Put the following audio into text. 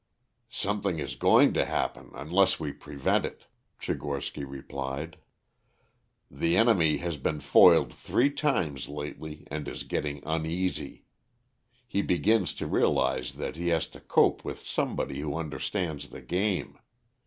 "Something is going to happen unless we prevent it," Tchigorsky replied. "The enemy has been foiled three times lately and is getting uneasy. He begins to realize that he has to cope with somebody who understands the game.